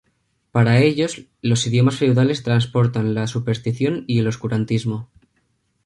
Para ellos, los "idiomas feudales" transportan la superstición y el oscurantismo.